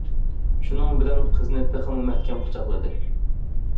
شۇنىڭ بىلەن قىزنى تېخىمۇ مەھكەم قۇچاقلىدى.